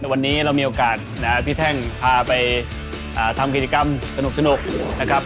วันนี้เรามีโอกาสพี่แท่งพาไปทำกิจกรรมสนุกนะครับ